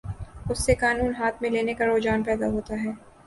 اس سے قانون ہاتھ میں لینے کا رجحان پیدا ہوتا ہے۔